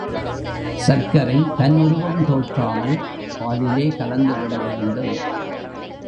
சர்க்கரை தன் உருவம் தோற்றாமல் பாலிலே கலந்துவிட வேண்டும்.